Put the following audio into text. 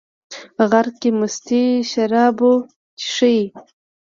غرک کې مستې شاربو، چې شي